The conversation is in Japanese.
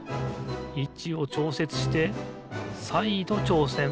いちをちょうせつしてさいどちょうせん。